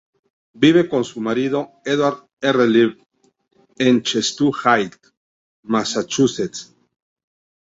Vive con su marido, Edward R. Lev, en Chestnut Hill, Massachusetts.